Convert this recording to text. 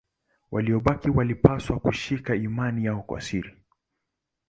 Waliobaki walipaswa kushika imani yao kwa siri.